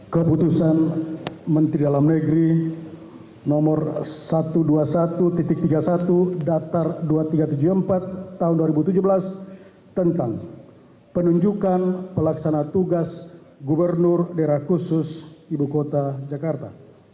keputusan menteri dalam negeri nomor satu ratus dua puluh satu tiga puluh satu datar dua ribu tiga ratus tujuh puluh empat tahun dua ribu tujuh belas tentang penunjukan pelaksana tugas gubernur daerah khusus ibu kota jakarta